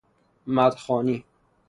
مدح خوانی